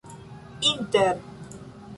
inter